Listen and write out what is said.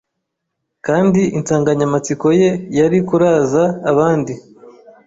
kandi insanganyamatsiko ye yari kuraza abandi